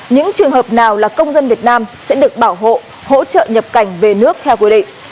những trường hợp nào là công dân việt nam sẽ được bảo hộ hỗ trợ nhập cảnh về nước theo quy định